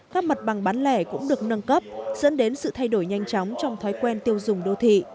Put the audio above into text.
các mặt bằng bán lẻ cũng được nâng cấp dẫn đến sự thay đổi nhanh chóng trong thói quen tiêu dùng đô thị